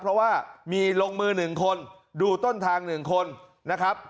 เพราะว่ามีลงมือหนึ่งคนดูต้นทางหนึ่งคนนะครับ